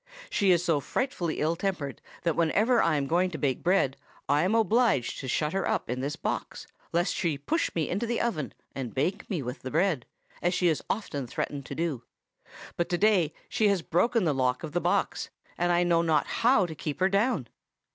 'She is so frightfully ill tempered that whenever I am going to bake bread I am obliged to shut her up in this box, lest she push me into the oven and bake me with the bread, as she has often threatened to do. But to day she has broken the lock of the box, and I know not how to keep her down.